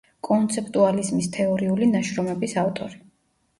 კონცეპტუალიზმის თეორიული ნაშრომების ავტორი.